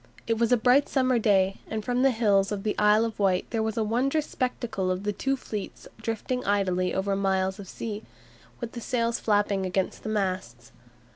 It was a bright summer day, and from the hills of the Isle of Wight there was a wondrous spectacle of the two fleets drifting idly over miles of sea, with the sails flapping against the masts.